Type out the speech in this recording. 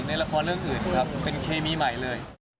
ในละครเรื่องอื่นครับเป็นเคมีใหม่เลย